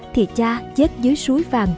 thì cha chết dưới suối vàng